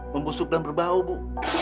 membusuk dan berbau bu